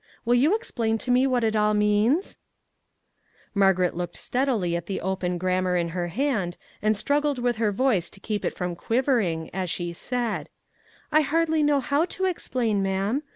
Will you explain to me what it all means ?" Margaret looked steadily at the open grammar in her hand, and struggled with her voice to keep it from quivering, as she said: " I hardly know how to explain, ma'am.